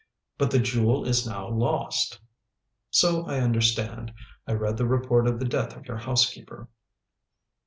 "But the Jewel is now lost!" "So I understand. I read the report of the death of your housekeeper."